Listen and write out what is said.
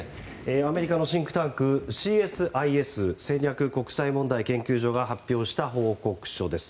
アメリカのシンクタンクＣＳＩＳ・戦略国際問題研究所が発表した報告書です。